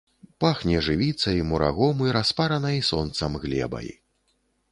Пахне жывіцай, мурагом і распаранай сонцам глебай.